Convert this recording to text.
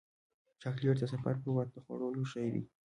چاکلېټ د سفر پر وخت د خوړلو شی دی.